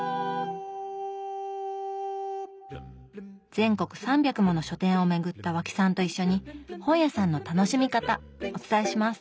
全国３００もの書店を巡った和氣さんと一緒に本屋さんの楽しみ方お伝えします！